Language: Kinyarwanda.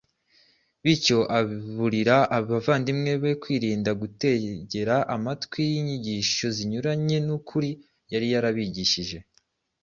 bityo aburira abavandimwe be kwirinda gutegera amatwi inyigisho zinyuranye n’ukuri yari yarabigishije.